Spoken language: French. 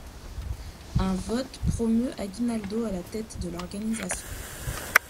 Un vote promeut Aguinaldo à la tête de l'organisation.